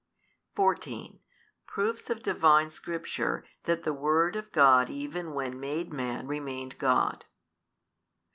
|203 14. Proofs of Divine Scripture, that the Word of God even when made Man remained God.